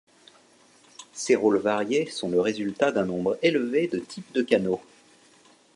Ces rôles variés sont le résultat d'un nombre élevé de types de canaux.